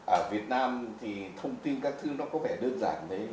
ở việt nam thì thông tin các thứ nó có vẻ đơn giản đấy